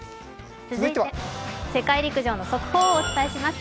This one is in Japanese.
続いては、世界陸上の速報をお伝えします。